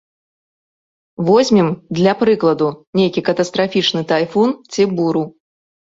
Возьмем, для прыкладу, нейкі катастрафічны тайфун ці буру.